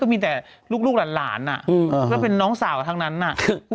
ข้างกายผมเป็นเงาบ้างหรือ